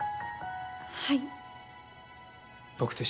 はい。